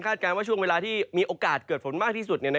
การว่าช่วงเวลาที่มีโอกาสเกิดฝนมากที่สุด